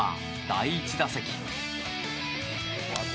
第１打席。